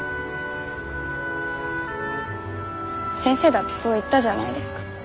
先生だってそう言ったじゃないですか。